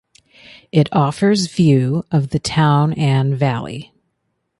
It offers view of the town and valley.